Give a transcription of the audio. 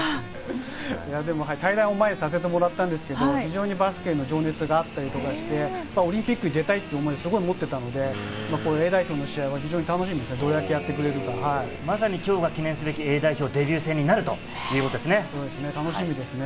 対談を前にさせてもらったんですが、バスケへの情熱があったりして、オリンピックに出たいという思いをすごく持っていたので、Ａ代表の試合は非常に楽しみです、とれだけやってくれるまさに今日が記念すべきＡ代表。